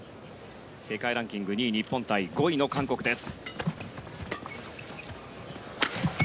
世界ランキング２位の日本対５位の韓国です。